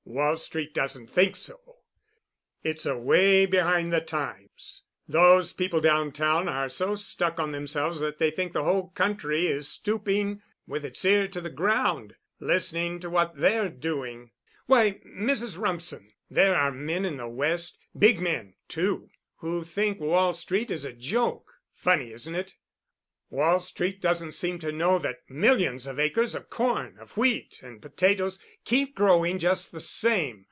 Wall Street doesn't think so. It's away behind the times. Those people downtown are so stuck on themselves that they think the whole country is stooping with its ear to the ground listening to what they're doing. Why, Mrs. Rumsen, there are men in the West—big men, too—who think Wall Street is a joke. Funny, isn't it? Wall Street doesn't seem to know that millions of acres of corn, of wheat, and potatoes keep growing just the same.